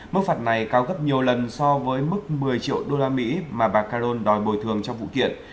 mức phạt này cao gấp nhiều lần so với mức một mươi triệu đô la mỹ mà bà caron đòi bồi thường trong vụ kiện